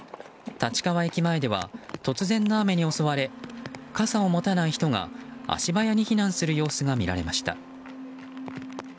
立川駅前では突然の雨に襲われ傘を持たない人が足早に避難する様子が見られました。